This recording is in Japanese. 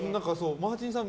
マーチンさん